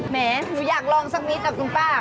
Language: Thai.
แหมหนูอยากลองสักนิดนะคุณป้า